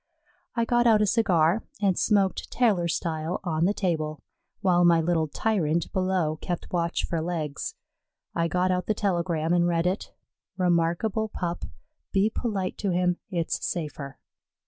I got out a cigar and smoked tailor style on the table, while my little tyrant below kept watch for legs. I got out the telegram and read it: "Remarkable pup. Be polite to him; it's safer."